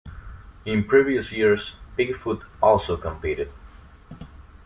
In previous years, Bigfoot also competed.